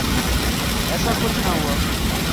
ایسا کچھ نہ ہوا۔